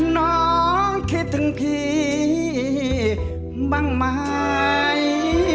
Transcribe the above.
น้องคิดถึงพี่บ้างไหม